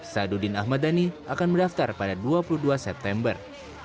sadudin ahmad dhani akan mendaftar pada dua puluh dua september